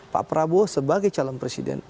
pak prabowo sebagai calon presiden